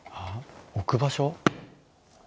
置く場所？